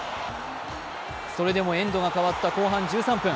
それでもエンドが変わった後半１３分。